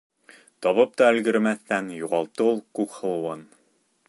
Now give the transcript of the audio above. Табып та өлгөрмәҫтән юғалтты ул Күкһылыуын.